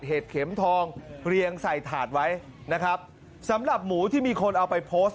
เข็มทองเรียงใส่ถาดไว้นะครับสำหรับหมูที่มีคนเอาไปโพสต์